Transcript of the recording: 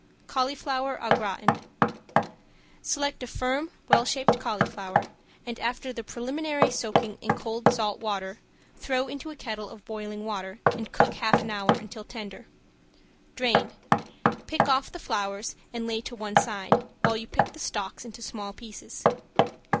~CAULIFLOWER AU GRATIN~ Select a firm, well shaped cauliflower, and after the preliminary soaking in cold salt water throw into a kettle of boiling water and cook half an hour, until tender. Drain, pick off the flowers and lay to one side, while you pick the stalks into small pieces.